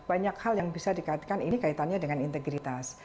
banyak hal yang bisa dikaitkan ini kaitannya dengan integritas